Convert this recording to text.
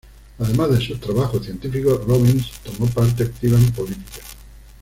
Además de sus trabajos científicos, Robins tomó parte activa en política.